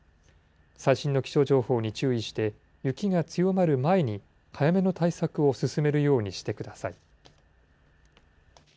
最新の気象情報に注意して、雪が強まる前に早めの対策を進めるようにしてください。